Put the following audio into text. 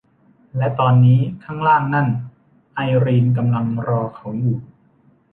และตอนนี้ ข้างล่างนั่น ไอรีนกำลังรอเขาอยู่